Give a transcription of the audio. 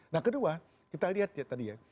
nah kedua kita lihat ya tadi ya